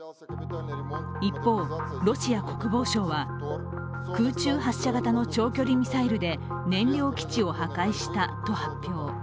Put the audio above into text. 一方、ロシア国防省は、空中発射型の長距離ミサイルで燃料基地を破壊したと発表。